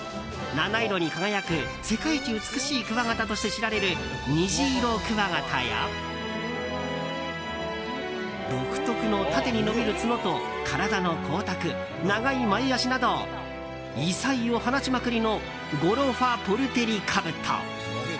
七色に輝く、世界一美しいクワガタとして知られるニジイロクワガタや独特の縦に伸びる角と体の光沢、長い前脚など異彩を放ちまくりのゴロファ・ポルテリカブト。